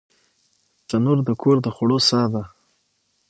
تنور د کور د خوړو ساه ده